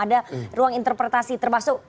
ada ruang interpretasi termasuk